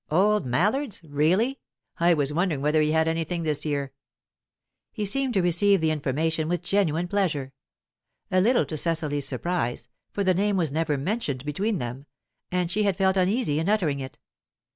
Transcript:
"Old Mallard's? Really? I was wondering whether he had anything this year." He seemed to receive the information with genuine pleasure. A little to Cecily's surprise, for the name was never mentioned between them, and she had felt uneasy in uttering it.